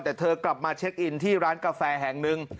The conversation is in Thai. แต่เธอกลับมาเช็คอินที่ร้านกาแฟแห่งหนึ่ง